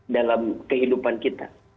dalam kehidupan kita